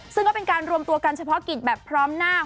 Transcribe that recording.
ซึ่งก็เป็นการรวมตัวกันเฉพาะกิจแบบพร้อมหน้า